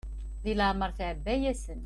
Deg leɛmer teɛba-yasen.